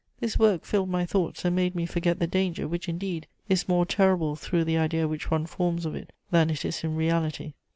This work filled my thoughts and made me forget the danger, which, indeed, is more terrible through the idea which one forms of it than it is in reality.